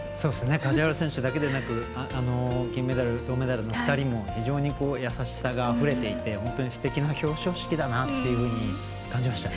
梶原選手だけではなく銀メダル、銅メダルの２人も優しさがあふれていて本当にすてきな表彰式だなと感じましたね。